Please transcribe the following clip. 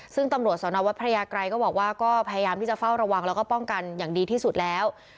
ซึ่งตำรวจสนวัดพระยากรัยก็บอกว่าก็พยายามที่จะเฝ้าระวังแล้วก็ป้องกันอย่างดีที่สุดแล้ว